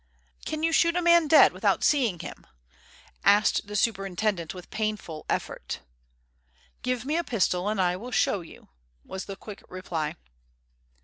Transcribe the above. "Can you shoot a man dead without seeing him?" asked the Superintendent, with painful effort. "Give me a pistol and I will show you," was the quick reply.